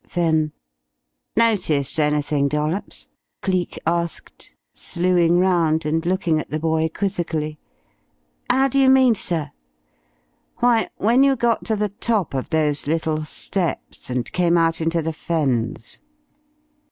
Then: "Notice anything, Dollops?" Cleek asked, slewing round and looking at the boy quizzically. "How do you mean, sir?" "Why, when you got to the top of those little steps and came out into the Fens."